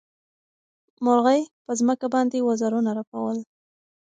مرغۍ په ځمکه باندې وزرونه رپول.